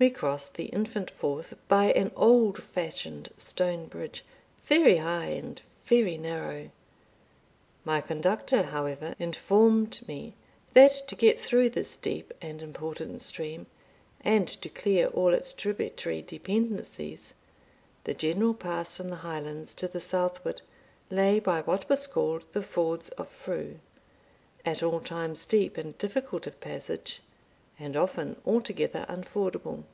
We crossed the infant Forth by an old fashioned stone bridge, very high and very narrow. My conductor, however, informed me, that to get through this deep and important stream, and to clear all its tributary dependencies, the general pass from the Highlands to the southward lay by what was called the Fords of Frew, at all times deep and difficult of passage, and often altogether unfordable.